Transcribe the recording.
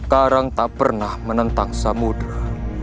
karang tak pernah menentang samudera